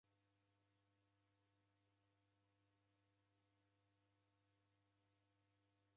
Kukapata mwana kudajikora na machi gha modo